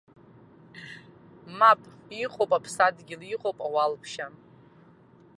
Мап, иҟоуп аԥсадгьыл, иҟоуп ауалԥшьа!